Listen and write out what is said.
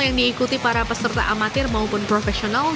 yang diikuti para peserta amatir maupun profesional